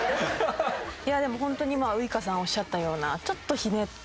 でも本当に今ウイカさんおっしゃったようなちょっとひねった。